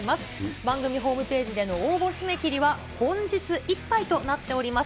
番組ホームページでの応募締め切りは本日いっぱいとなっております。